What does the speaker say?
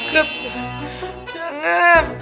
jangan kelinci jangan